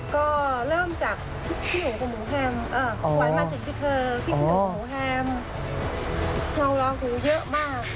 ก็เริ่มจากพี่หมูกับหมูแฮมขวัญมาถึงที่เธอคิดถึงหมูแฮมเรารอหูเยอะมาก